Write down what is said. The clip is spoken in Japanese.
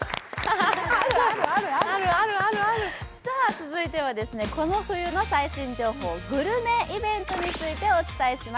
続いては、この冬の最新情報、グルメイベントについてお伝えします。